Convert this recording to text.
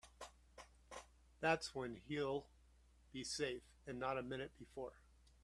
That's when he'll be safe and not a minute before.